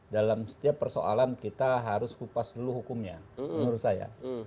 dalam setiap persoalan kita harus kupas dulu hukumnya menurut saya